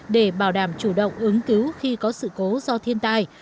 để bảo đảm chủ động ứng cứu khi có sự cố do thiên tai